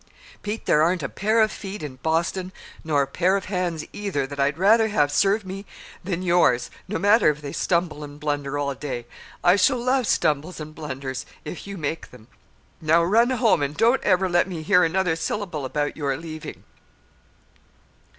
"Pete, there aren't a pair of feet in Boston, nor a pair of hands, either, that I'd rather have serve me than yours, no matter if they stumble and blunder all day! I shall love stumbles and blunders if you make them. Now run home, and don't ever let me hear another syllable about your leaving!"